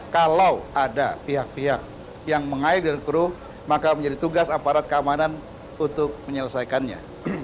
kalau ada pihak pihak yang mengail di air keruh maka menjadi tugas aparat keamanan untuk menyelesaikannya